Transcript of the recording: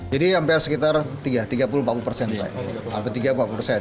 jadi hampir sekitar tiga puluh empat puluh persen